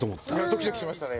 ドキドキしましたね。